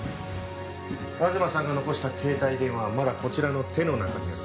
東さんが残した携帯電話はまだこちらの手の中にある。